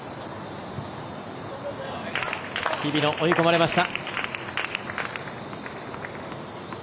日比野、追い込まれました。